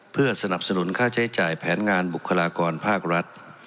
เพื่อสนับสนุนค่าใช้จ่ายแผนงานบุคลากรภาครัฐ